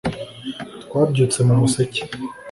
twabyutse mu museke